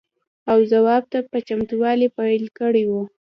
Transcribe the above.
او ځواب ته په چتموالي پیل کړی وي.